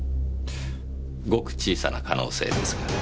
ごく小さな可能性ですが。